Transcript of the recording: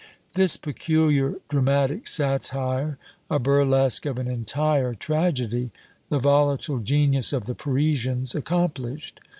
This peculiar dramatic satire, a burlesque of an entire tragedy, the volatile genius of the Parisians accomplished.